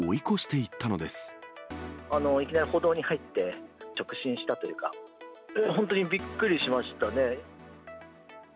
いきなり歩道に入って、直進したというか、本当にびっくりしましたね。